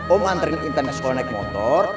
om anterin intan ke sekolah naik motor